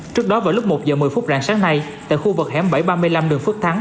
trước đó vào lúc một giờ một mươi phút rạng sáng nay tại khu vực hẻm bảy trăm ba mươi năm đường phước thắng